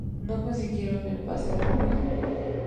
No consiguieron el pase a la final.